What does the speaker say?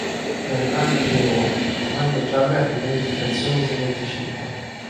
Bernard Hinault fu maglia gialla in venti frazioni su venticinque.